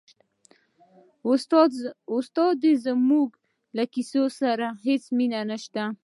استاده زما خو له کیسې سره هېڅ مینه نشته.